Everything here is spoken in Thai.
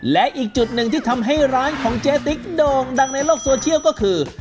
และอีกจุดหนึ่งที่ทำให้ร้านของเจ๊ติ๊กโด่งดังในโลกโซเชียลก็คือ